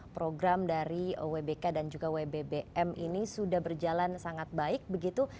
program dari wbk dan juga wbbm ini sudah berjalan sangat baik begitu